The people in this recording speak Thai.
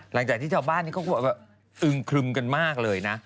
หลังจากที่เจ้าบ้านนี่ก็เอิ้งคลึมกันมากเลยนะ